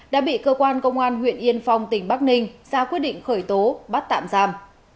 đã bị cơ quan công an huyện yên phong tỉnh bắc ninh ra quyết định khởi tố bắt tạm giam